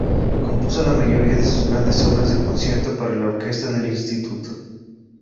Compuso la mayoría de sus grandes obras de concierto para la orquesta del Instituto.